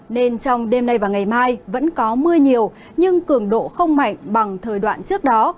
nên trong đêm nay và ngày mai vẫn có mưa nhiều nhưng cường độ không mạnh bằng thời đoạn trước đó